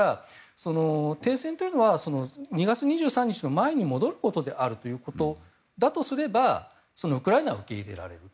停戦というのは２月２３日の前に戻ることであるとすればウクライナは受け入れられる。